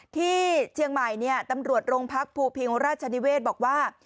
ที่เชียงใหม่ตำรวจโรงพักภูพิงราชนิเวศบอกว่า